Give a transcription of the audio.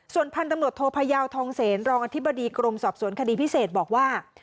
ส่วนพันธุ์ตำรวจโทพยาวทองเสนรองอธิบดีกรมสอบสวนคดีพิเศษบอกว่า